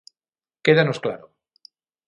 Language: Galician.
Quédanos claro.